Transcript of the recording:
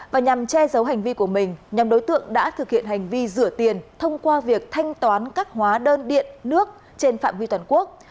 và nhằm che giấu hành vi của mình nhằm đối tượng đã thực hiện hành vi rửa tiền thông qua việc thanh toán các hóa đơn điện nước trên phạm vi toàn quốc